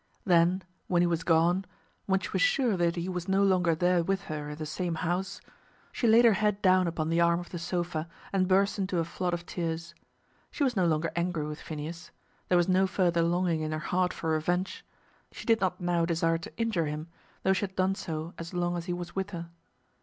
Then, when he was gone, when she was sure that he was no longer there with her in the same house, she laid her head down upon the arm of the sofa, and burst into a flood of tears. She was no longer angry with Phineas. There was no further longing in her heart for revenge. She did not now desire to injure him, though she had done so as long as he was with her.